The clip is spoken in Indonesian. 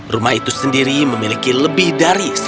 rumah itu sendiri memiliki lebih dari seratus kamar